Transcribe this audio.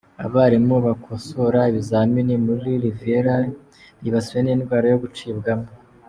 Abarimu bakosora ibizamini muri Riviyera bibasiwe n’indwara yo ’gucibwamo’